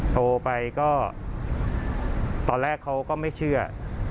โทรไปก็ตอนแรกเขาก็ไม่เชื่อ